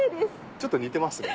ちょっと似てますね。